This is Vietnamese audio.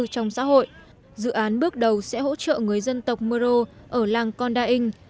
trong xã hội dự án bước đầu sẽ hỗ trợ người dân tộc muro ở làng condahin